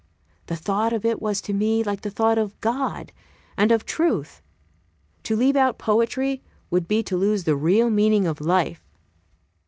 The thought of it was to me like the thought of God and of truth. To leave out poetry would be to lose the real meaning of life.